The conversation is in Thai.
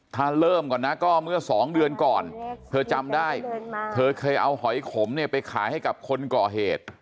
ถ้าเริ่มก่อนนะก็เมื่อสองเดือนก่อนเธอจำได้เธอเคยเอาหอยขมเนี่ยไปขายให้กับคนก่อเหตุ